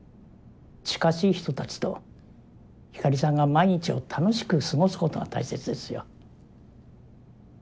近しい人たちとひかりさんが毎日を楽しく過ごすことが大切ですよ。